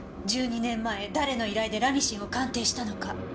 １２年前誰の依頼でラニシンを鑑定したのか。